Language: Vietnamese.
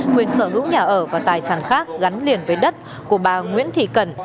quyền sở hữu nhà ở và tài sản khác gắn liền với đất của bà nguyễn thị cần